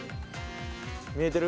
見えてる？